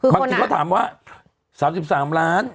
บางทีเขาถามว่า๓๓ล้าน